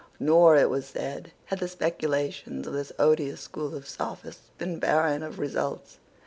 Nor, it was said, had the speculations of this odious school of sophists been barren of results.